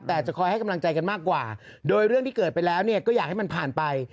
แต่จะคอยให้กำลังใจกันมากกว่าโดยเรื่องที่เกิดไปแล้วเนี่ยก็อยากให้มันผ่านไป